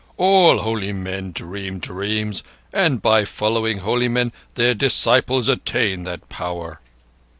"All holy men dream dreams, and by following holy men their disciples attain that power."